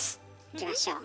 いきましょう。